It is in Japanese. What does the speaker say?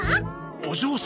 お嬢様。